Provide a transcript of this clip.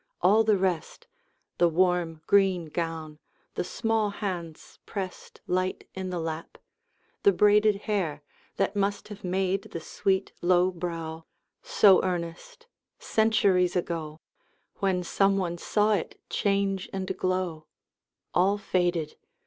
All the rest The warm green gown, the small hands pressed Light in the lap, the braided hair That must have made the sweet low brow So earnest, centuries ago, When some one saw it change and glow All faded!